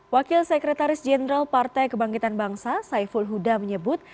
wakil sekretaris jenderal partai kebangkitan bangsa saiful huda menyebut